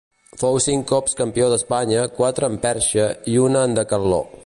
Fou cinc cops campió d'Espanya, quatre en perxa i una en decatló.